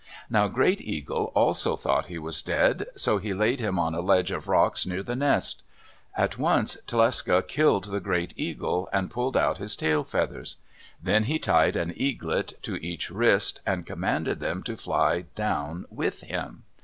Now Great Eagle also thought he was dead, so he laid him on a ledge of rocks near the nest. At once Tlecsa killed Great Eagle and pulled out his tail feathers. Then he tied an eaglet to each wrist and commanded them to fly down with him.